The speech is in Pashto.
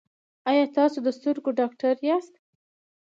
ایا تاسو د سترګو ډاکټر یاست؟